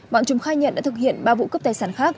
bọn chúng khai nhận đã thực hiện ba vụ cướp tài sản khác